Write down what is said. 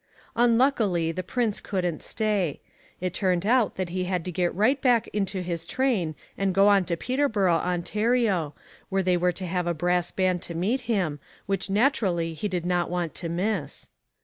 Unluckily the prince couldn't stay. It turned out that he had to get right back into his train and go on to Peterborough, Ontario, where they were to have a brass band to meet him, which naturally he didn't want to miss.